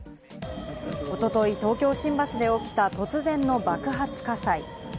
おととい、東京・新橋で起きた突然の爆発火災。